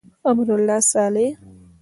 امرالله صالح.